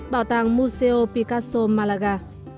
bảo tàng musée picasso malaga